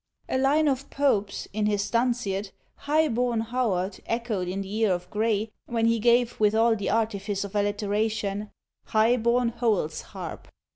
A line of Pope's, in his Dunciad, "High born Howard," echoed in the ear of Gray, when he gave, with all the artifice of alliteration, High born Hoel's harp.